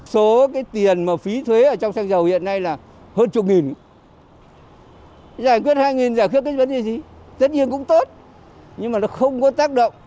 số cái tiền mà phí thuế ở trong xăng dầu hiện nay là hơn chục nghìn giải quyết hai nghìn giảm khép kết quả gì tất nhiên cũng tốt nhưng mà nó không có tác động